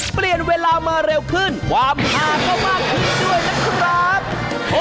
เปลี่ยนเวลามาเร็วขึ้นความหาก็มากขึ้นด้วยนะครับ